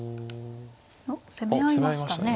攻め合いましたね。